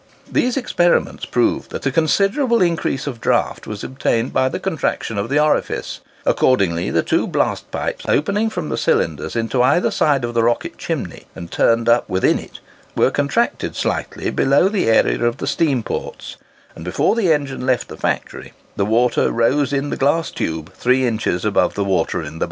These experiments proved that a considerable increase of draught was obtained by the contraction of the orifice; accordingly, the two blast pipes opening from the cylinders into either side of the "Rocket" chimney, and turned up within it, were contracted slightly below the area of the steam ports; and before the engine left the factory, the water rose in the glass tube three inches above the water in the bucket.